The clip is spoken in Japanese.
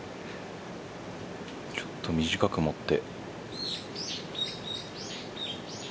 ちょっと短く持って。